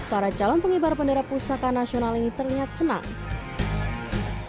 para calon pengibar bendera pusaka nasional ini terlihat senang